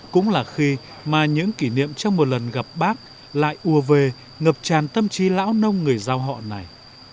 cũng là khi mà những kỷ niệm trong một lần gặp bác lại ùa về ngập tràn tâm trí lão nông người giao họ này